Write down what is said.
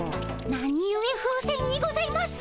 なにゆえ風船にございますか？